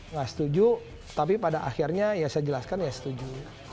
nggak setuju tapi pada akhirnya ya saya jelaskan ya setuju